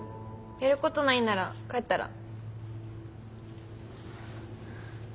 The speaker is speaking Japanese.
やることないんなら帰ったら？